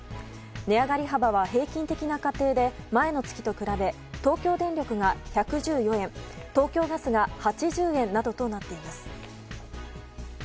値上がり幅は平均的な家庭で前の月と比べ東京電力が１１４円東京ガスが８０円などとなっています。